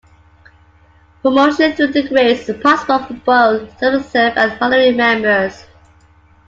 Promotion through the grades is possible for both substantive and honorary members.